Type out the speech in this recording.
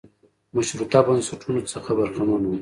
مشروطه بنسټونو څخه برخمن و.